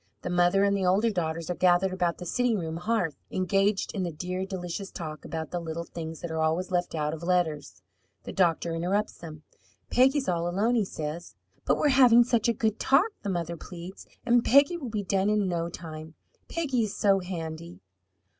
The mother and the older daughters are gathered about the sitting room hearth, engaged in the dear, delicious talk about the little things that are always left out of letters. The doctor interrupts them. "Peggy is all alone," he says. "But we're having such a good talk," the mother pleads, "and Peggy will be done in no time! Peggy is so handy!"